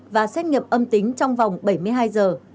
và xét nghiệm âm tính trong vòng bảy mươi hai giờ